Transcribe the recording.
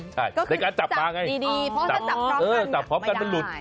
ใช่ในการจับปลาไงจับดีเพราะถ้าจับปลากันอย่างนั้นไม่ได้